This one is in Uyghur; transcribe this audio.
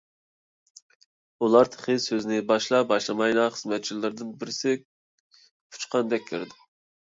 ئۇلار تېخى سۆزىنى باشلا - باشلىمايلا خىزمەتچىلىرىدىن بىرسى ئۇچقاندەك كىردى.